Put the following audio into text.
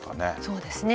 そうですね。